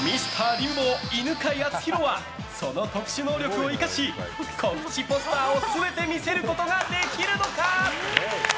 リンボー犬飼貴丈はその特殊能力を生かし告知ポスターを全て見せることができるのか？